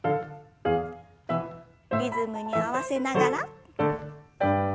リズムに合わせながら。